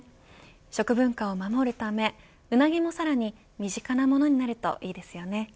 食文化を守るためうなぎもさらに身近なものになるといいですよね。